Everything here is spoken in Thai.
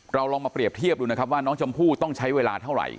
ลองมาเปรียบเทียบดูนะครับว่าน้องชมพู่ต้องใช้เวลาเท่าไหร่